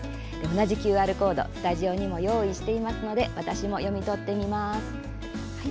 同じＱＲコード、スタジオにも用意していますので私も読み取ってみます。